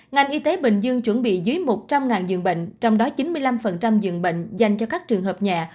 ngành y tế bình dương chuẩn bị dưới một trăm linh giường bệnh trong đó chín mươi năm dường bệnh dành cho các trường hợp nhà